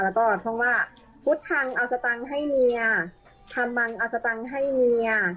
แล้วก็เพราะว่าพุทธทางเอาสตังค์ให้เมียทำมังเอาสตังค์ให้เมีย